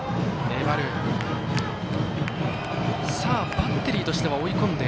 バッテリーとしては追い込んで。